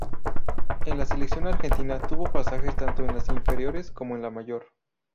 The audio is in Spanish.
En la selección argentina, tuvo pasajes tanto en las inferiores como en la mayor.